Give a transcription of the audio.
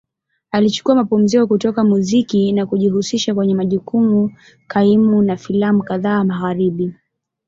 Alichukua mapumziko kutoka muziki na kujihusisha kwenye majukumu kaimu na filamu kadhaa Magharibi.